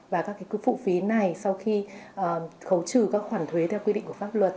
và các phụ phí này sau khi khấu trừ các khoản thuế theo quy định của pháp luật